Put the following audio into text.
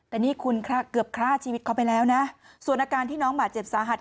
แต่นี่คุณเกือบฆ่าชีวิตเขาไปแล้วนะส่วนอาการที่น้องบาดเจ็บสาหัส